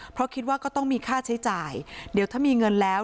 เพราะคิดว่าก็ต้องมีค่าใช้จ่ายเดี๋ยวถ้ามีเงินแล้ว